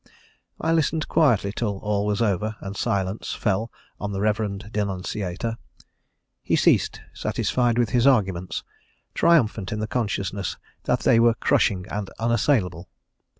I listened quietly till all was over and silence fell on the reverend denunciator; he ceased, satisfied with his arguments, triumphant in the consciousness that they were crushing and unassailable.